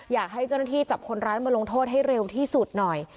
อยากให้เจ้าหน้าที่จับคนร้ายมาลงโทษให้เร็วที่สุดหน่อย